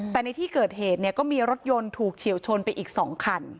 แต่ในที่เกิดเหตุเนี่ยก็มีรถยนต์ถูกเฉียวชนไปอีก๒คัน